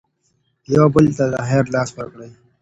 یو بل ته د خیر لاس ورکړئ.